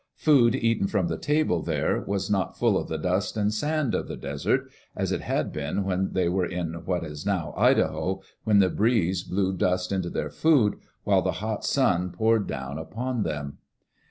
Food eaten from the table there was not full of the dust and sand of the desert, as it had been when they were in what is now Idaho, when the breeze blew dust into their food, while the hot sun poured down upon them.